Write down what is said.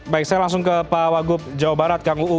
baik saya langsung ke pak wagub jawa barat kang uu